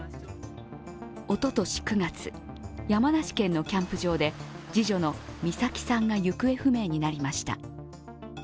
おととし９月、山梨県のキャンプ場で次女の美咲さんが行方不明になりました。